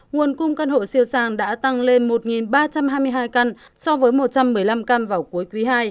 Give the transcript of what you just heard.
nguồn cung căn hộ siêu sàng đã tăng lên một ba trăm hai mươi hai căn so với một trăm một mươi năm căn vào cuối quý ii